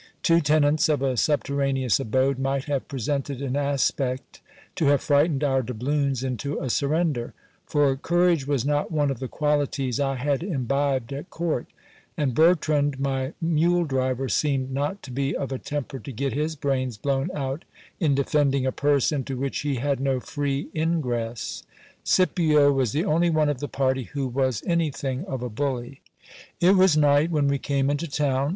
Two tenants of a subterraneous abode might have presented an aspect to have frightened our doubloons into a surrender ; for courage was not one of the qualities I had imbibed at court ; and Bertrand, my mule driver, seemed not to be of a temper to get his brains blown out in defending a purse into which he had no free ingress. Scipio was the only one of the party who was anything of a bully. It was night when we came into town.